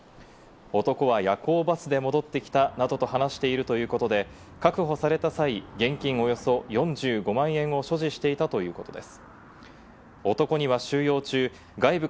男は夜行バスで戻って来たなどと話しているということで、確保された際、現金およそ４５万円を所持していたということです。